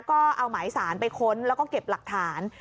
ก็เอาหมายสารไปค้นแล้วก็เก็บหลักฐาน